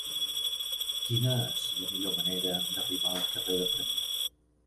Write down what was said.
Quina és la millor manera d'arribar al carrer de Premià?